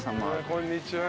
こんにちは。